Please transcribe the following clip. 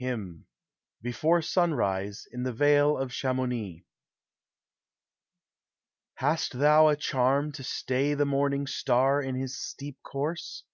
HYMN BEFORE SUNRISE, IX THE VALE OF CHAM0UNI. Hast thou a charm to stay the morning star In his steep course?